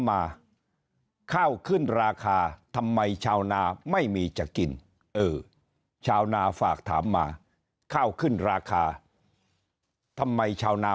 มาข้าวขึ้นราคาทำไมชาวนาไม่มีจะกินเออชาวนาฝากถามมาข้าวขึ้นราคาทำไมชาวนา